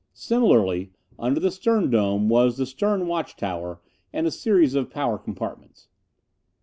Similarly, under the stern dome, was the stern watch tower and a series of power compartments.